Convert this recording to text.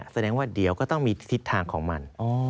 แสดงว่าเดี๋ยวก็ต้องมีทิศทางของมัน